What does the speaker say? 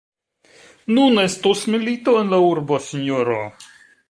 Nun estos milito en la urbo, sinjoro!